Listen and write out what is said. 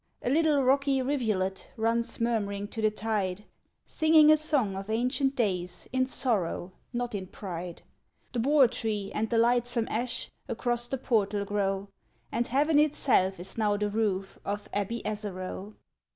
A little rocky rivulet runs murmuring to the tide, Singing a song of ancient days, in sorrow, not in pride; The boortree and the lightsome ash across the portal grow, And heaven itself is now the roof of Abbey Asaroe.